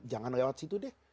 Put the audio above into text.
jangan lewat situ deh